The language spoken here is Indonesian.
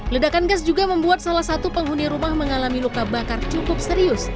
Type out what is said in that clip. ledakan gas juga membuat salah satu penghuni rumah mengalami luka bakar cukup serius